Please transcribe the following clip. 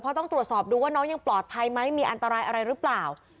เพราะต้องตรวจสอบดูว่าน้องยังปลอดภัยไหมมีอันตรายอะไรหรือเปล่า